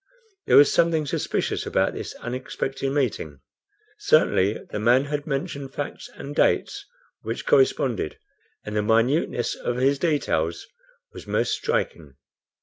There was something suspicious about this unexpected meeting. Certainly the man had mentioned facts and dates which corresponded, and the minuteness of his details was most striking.